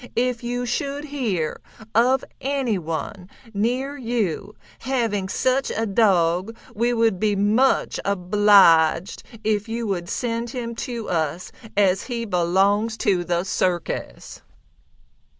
If you should hear of anyone near you having such a dog we would be much obliged if you would send him to us as he belongs to the circus."